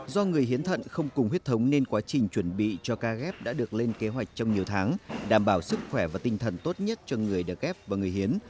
do người hiến thận không cùng huyết thống nên quá trình chuẩn bị cho ca ghép đã được lên kế hoạch trong nhiều tháng đảm bảo sức khỏe và tinh thần tốt nhất cho người được ghép và người hiến